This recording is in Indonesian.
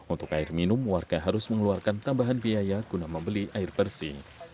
untuk air minum warga harus mengeluarkan tambahan biaya guna membeli air bersih